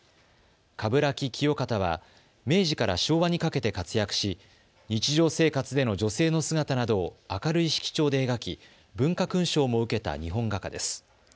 鏑木清方は明治から昭和にかけて活躍し日常生活での女性の姿などを明るい色調で描き文化勲章も受けた日本画家です。